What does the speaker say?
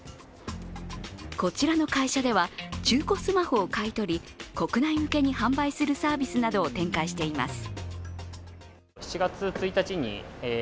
こちらの会社では中古スマホを買い取り、国内向けに販売するサービスなどを展開しています。